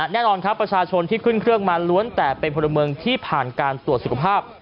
แน่นอนครับประชาชนที่ขึ้นเครื่องมาล้วนแต่เป็นพลเมืองที่ผ่านการตรวจสุขภาพ